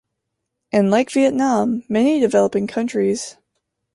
And like Vietnam, many developing countries.